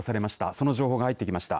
その情報が入ってきました。